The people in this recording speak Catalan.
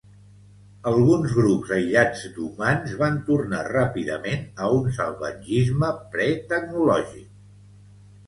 Alguns grups aïllats d'humans van tornar ràpidament a un salvatgisme pre-tecnològic.